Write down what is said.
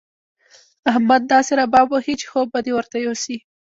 احمد داسې رباب وهي چې خوب به دې ورته يوسي.